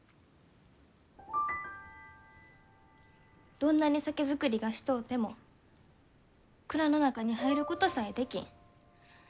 どんなに酒造りがしとうても蔵の中に入ることさえできん。